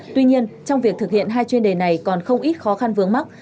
tuy nhiên trong việc thực hiện hai chuyên đề này còn không ít khó khăn vướng mắt